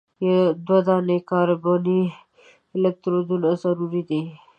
دوه دانې کاربني الکترودونه ضروري دي.